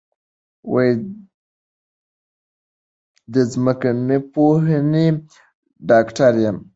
د ځمکپوهنې ډاکټر یم